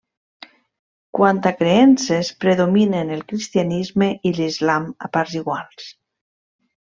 Quant a creences, predominen el cristianisme i l'islam a parts iguals.